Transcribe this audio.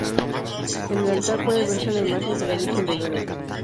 En el altar puede verse la imagen de la Virgen de Loreto.